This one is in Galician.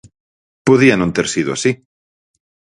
Podía non ter sido así.